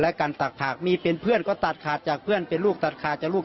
และการตักผักมีเป็นเพื่อนก็ตัดขาดจากเพื่อนเป็นลูกตัดขาดจากลูก